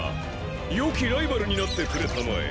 よきライバルになってくれたまえ。